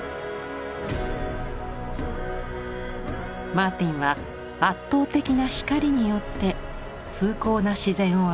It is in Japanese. マーティンは圧倒的な光によって「崇高な自然」を表しました。